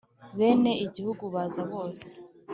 bene igihugu baza bose